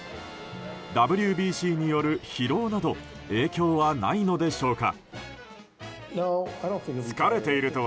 ＷＢＣによる疲労など影響はないのでしょうか？